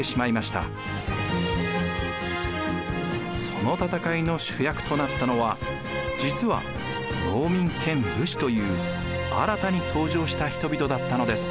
その戦いの主役となったのは実は農民兼武士という新たに登場した人々だったのです。